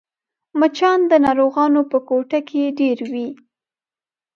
مچان د ناروغانو په کوټه کې ډېر وي